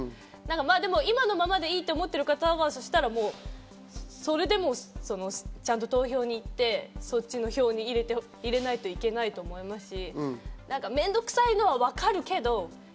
今のままでいいと思ってる方はそうしたらそれでもちゃんと投票に行ってそっちの票に入れないといけないと思いますし、面倒くさいのはわかるけど。